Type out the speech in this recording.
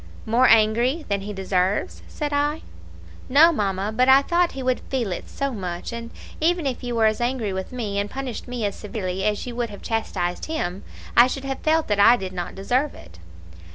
"'More angry than he deserves?' said I. "'No, mamma; but I thought he would feel it so much: and even if you were as angry with me, and punished me as severely as you would have chastised him, I should have felt that I did not deserve it.''